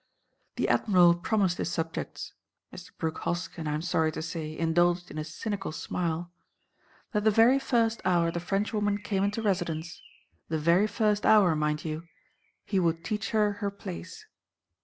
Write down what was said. The Admiral promised his subjects—Mr. Brooke Hoskyn, I am sorry to say, indulged in a cynical smile—that the very first hour the Frenchwoman came into residence—the very first hour, mind you—he would teach her her place.